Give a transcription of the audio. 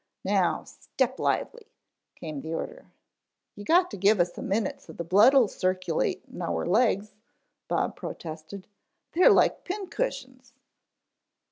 "Now, step lively " came the order. "You got to give us a minute so the blood will circulate in our legs," Bob protested. "They are like pin cushions."